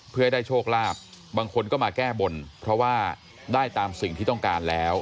เพื่อให้ได้โชคลาภบางคนก็มาแก้บนเพราะว่าได้ตามสิ่งที่ต้องการแล้ว